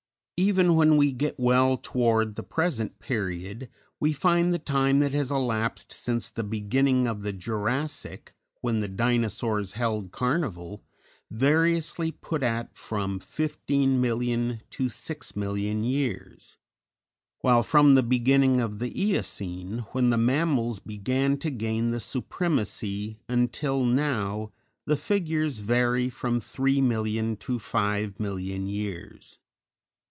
Even when we get well toward the present period we find the time that has elapsed since the beginning of the Jurassic, when the Dinosaurs held carnival, variously put at from 15,000,000 to 6,000,000 years; while from the beginning of the Eocene, when the mammals began to gain the supremacy, until now, the figures vary from 3,000,000 to 5,000,000 years.